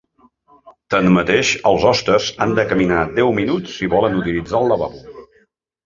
Tanmateix, els hostes han de caminar deu minuts si volen utilitzar un lavabo.